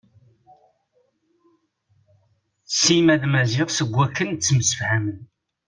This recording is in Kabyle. Sima d Maziɣ seg wakken ttemsefhamen.